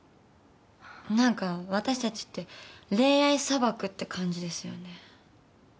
何か私たちって恋愛砂漠って感じですよね。